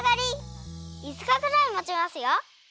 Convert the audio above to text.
いつかくらいもちますよ。